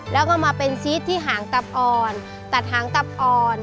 แล้วก็มาเป็นซีสที่หางตับอ่อนตัดหางตับอ่อน